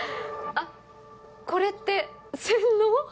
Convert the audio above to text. あっこれって洗脳？